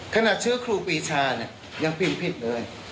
ชื่อครูปีชาเนี่ยยังพิมพ์ผิดเลย